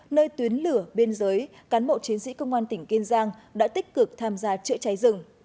nơi tuyến lửa bên dưới cán bộ chiến sĩ công an tỉnh kiên giang đã tích cực tham gia trợ cháy rừng